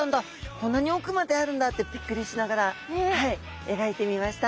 こんなに奥まであるんだってびっくりしながらはい描いてみました。